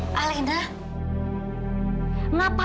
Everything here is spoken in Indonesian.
kalian nanti kan